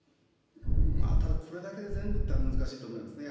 ただこれだけ全部っていうのは難しいと思いますね。